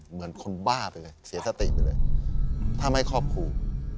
เหมือนคนบ้าไปเลยเสียสติไปเลยถ้าไม่ครอบครู